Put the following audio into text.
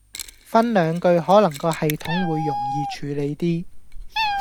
分兩句可能個系統會容易處理啲